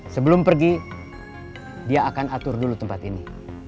sebelum pergi dia akan atur dulu tempat ini